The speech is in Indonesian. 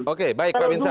oke baik pak bin sar